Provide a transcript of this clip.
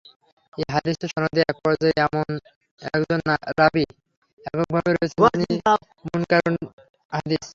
এ হাদীসের সনদে এক পর্যায়ে এমন একজন রাবী এককভাবে রয়েছেন— যিনি মুনকারুল হাদীস।